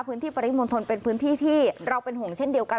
ปริมณฑลเป็นพื้นที่ที่เราเป็นห่วงเช่นเดียวกัน